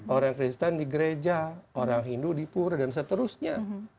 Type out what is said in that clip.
orang kristen di gereja orang hindu di pura dan seterusnya